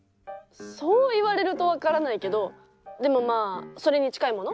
そういわれるとわからないけどでもまあそれにちかいもの？